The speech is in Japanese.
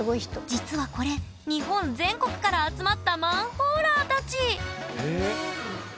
実はこれ日本全国から集まったマンホーラーたちええっ。